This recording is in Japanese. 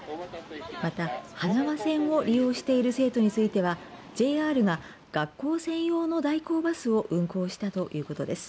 また、花輪線を利用している生徒については、ＪＲが学校専用の代行バスを運行したということです。